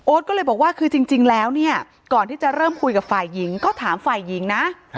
ก็เลยบอกว่าคือจริงแล้วเนี่ยก่อนที่จะเริ่มคุยกับฝ่ายหญิงก็ถามฝ่ายหญิงนะ